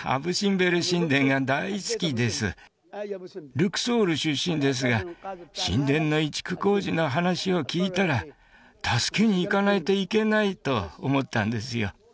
ルクソール出身ですが神殿の移築工事の話を聞いたら助けに行かないといけないと思ったんですよ